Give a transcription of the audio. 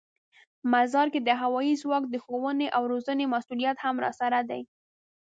مزار کې د هوايي ځواک د ښوونې او روزنې مسوولیت هم راسره دی.